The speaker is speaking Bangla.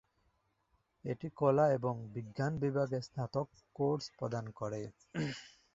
এটি কলা এবং বিজ্ঞান বিভাগে স্নাতক কোর্স প্রদান করে।